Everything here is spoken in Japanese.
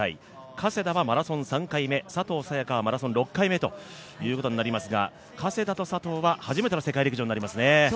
加世田はマラソン３回目佐藤早也伽はマラソン６回目ということになりますが、加世田と佐藤は初めての世界陸上ということになりますね。